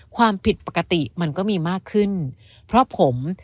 ความผิดปกติมันก็มีมากขึ้นเพราะผม